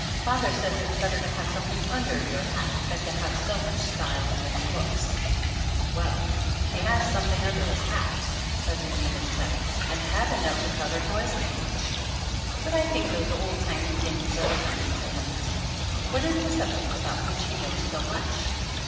Father says it's better to have something under your hat than to have so much style in its looks !" "Well, he has something under his hat," Cousin Eunice said, "and hat enough to cover twice as much. But I think those old timey things are becoming to him!" "What is the subject about which he knows so much?"